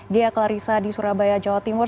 dia klarissa di surabaya jawa timur